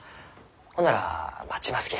ほんなら待ちますき。